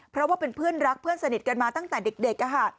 เพราะว่าเป็นเพื่อนรักเพื่อนสนิทกันมาตั้งแต่เด็ก